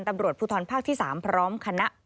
ตำรวจภูทรภาคที่๓พร้อมคณะ